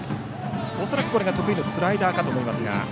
恐らくこれが得意のスライダーかと思います。